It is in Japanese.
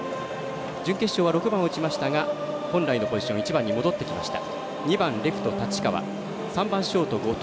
準決勝は６番を打ちましたが本来のポジション１番に戻ってきました。